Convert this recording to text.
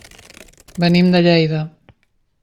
Venim de Lleida.